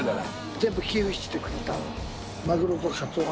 全部寄付してくれた。